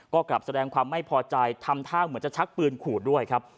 ก็กลับแสดงความไม่พอใจทำท่าเหมือนจะชักปืนขู่ด้วยครับ